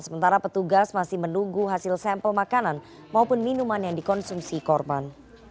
sementara petugas masih menunggu hasil sampel makanan maupun minuman yang dikonsumsi korban